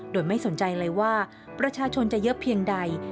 โดยไม่สนใจเลยว่าประชาชนจะเยอะเพียงใด